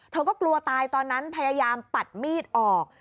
เธอก็กลัวตายตอนนั้นพยายามปัดมีดออก